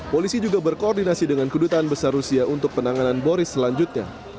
polisi juga berkoordinasi dengan kedutaan besar rusia untuk penanganan boris selanjutnya